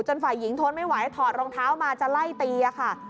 ฝ่ายหญิงทนไม่ไหวถอดรองเท้ามาจะไล่ตีค่ะ